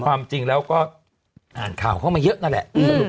ความจริงแล้วก็อ่านข่าวเข้ามาเยอะนั่นแหละ